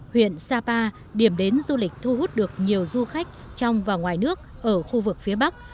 huyện sapa điểm đến du lịch thu hút được nhiều du khách trong và ngoài nước ở khu vực phía bắc